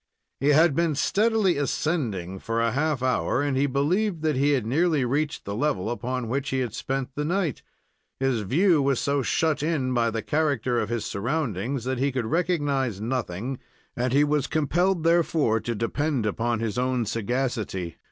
He had been steadily ascending for a half hour, and he believed that he had nearly reached the level upon which he had spent the night. His view was so shut in by the character of his surroundings, that he could recognize nothing, and he was compelled, therefore, to depend upon his own sagacity.